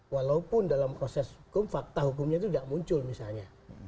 walaupun dalam proses hukum fakta hukumnya itu tidak muncul misalnya